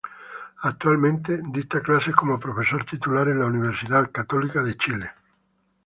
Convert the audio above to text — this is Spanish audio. Actualmente dicta clases como profesor titular en la Universidad Católica de Chile.